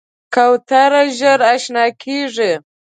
کوتره ژر اشنا کېږي.